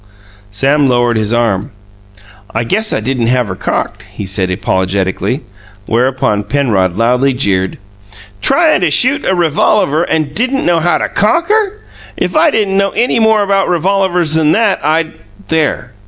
Sam lowered his arm. "I guess I didn't have her cocked," he said apologetically, whereupon Penrod loudly jeered. "Tryin' to shoot a revolaver and didn't know enough to cock her! If I didn't know any more about revolavers than that, I'd " "There!"